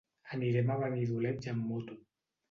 Anirem a Benidoleig amb moto.